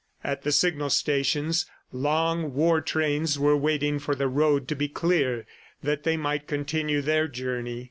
At the signal stations, long war trains were waiting for the road to be clear that they might continue their journey.